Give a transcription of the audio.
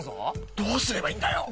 どうすればいいんだよ？